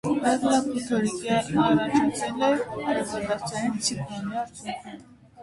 Էռլա փոթորիկի առաջացել է արևադարձային ցիկլոնի արդյունքում։